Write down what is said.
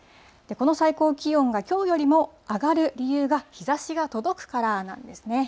この最高気温がきょうよりも上がる理由が、日ざしが届くからなんですね。